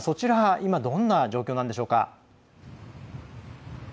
今どんな状況なんでしょうか？